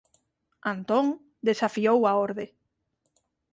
Antón desafiou a orde.